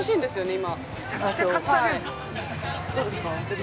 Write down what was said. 今。